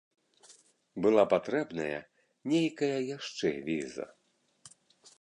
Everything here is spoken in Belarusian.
Была патрэбная нейкая яшчэ віза.